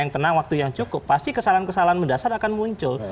yang tenang waktu yang cukup pasti kesalahan kesalahan mendasar akan muncul